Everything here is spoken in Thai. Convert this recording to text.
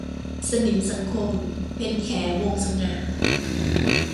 สนิมสังคม - เพ็ญแข วงศ์สง่า